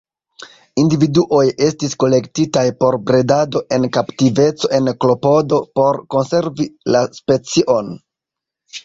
Individuoj estis kolektitaj por bredado en kaptiveco en klopodo por konservi la specion.